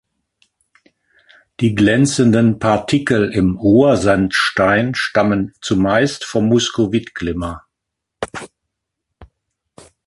Die glänzenden Partikel im Ruhrsandstein stammen zumeist vom Muskovit-Glimmer.